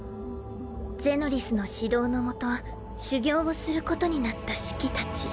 ゼノリスの指導の下修行をすることになったシキたち。